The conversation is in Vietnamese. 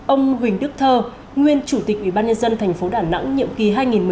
ông huỳnh đức thơ nguyên chủ tịch ủy ban nhân dân thành phố đà nẵng nhiệm kỳ hai nghìn một mươi sáu hai nghìn hai mươi một